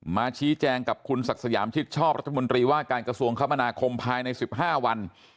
มาชี้แจงกับคุณศักดิ์สยามชิดชอบรัฐมนตรีว่าการกระทรวงคมนาคมภายใน๑๕วัน